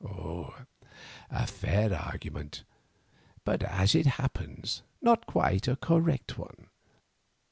"A fair argument, but, as it happens, not quite a correct one.